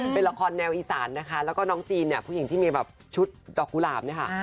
เป็นละครแนวอีสานนะคะแล้วก็น้องจีนเนี่ยผู้หญิงที่มีแบบชุดดอกกุหลาบเนี่ยค่ะ